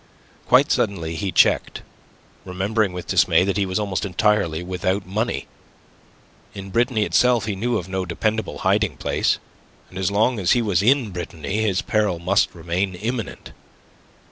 Quite suddenly he checked, remembering with dismay that he was almost entirely without money. In Brittany itself he knew of no dependable hiding place, and as long as he was in Brittany his peril must remain imminent.